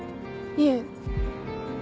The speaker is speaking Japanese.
いえ。